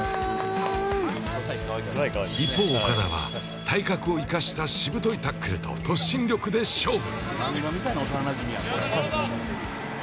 一方、岡田は、体格を生かしたしぶといタックルと突進力で勝負。